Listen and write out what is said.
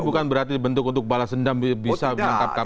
bukan berarti bentuk untuk balas dendam bisa menangkap kpk